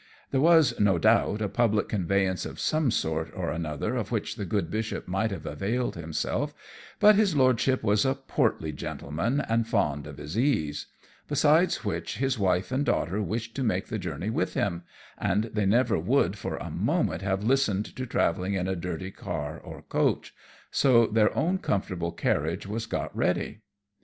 There was, no doubt, a public conveyance of some sort or another of which the good Bishop might have availed himself, but his lordship was a portly gentleman and fond of his ease; besides which his wife and daughter wished to make the journey with him, and they never would for a moment have listened to travelling in a dirty car or coach, so their own comfortable carriage was got ready.